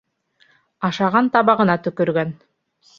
Ашаған табағына төкөргән.